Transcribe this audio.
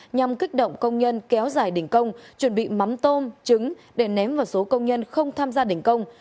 nhằm kích động công nhân kéo dài đỉnh công chuẩn bị mắm tôm trứng để ném vào số công nhân không tham gia đình công